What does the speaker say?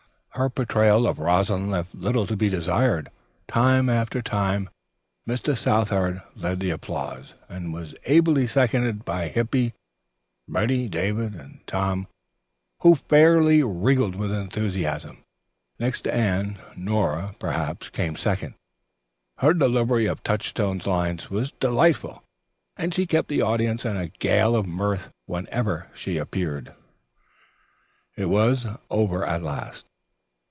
Her portrayal of Rosalind left little to be desired. Time after time Mr. Southard led the applause, and was ably seconded by Hippy, Reddy, David and Tom, who fairly wriggled with enthusiasm. Next to Anne, Nora, perhaps, came second. Her delivery of Touchstone's lines was delightful and she kept the audience in a gale of mirth whenever she appeared. It was over at last.